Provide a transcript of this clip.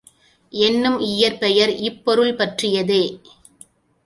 என்னும் இயற்பெயர் இப்பொருள் பற்றியதே.